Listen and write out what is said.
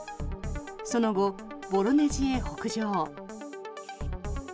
その後、ボロネジへ北上。